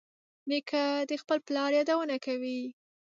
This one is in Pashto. نیکه د خپل پلار یادونه کوي.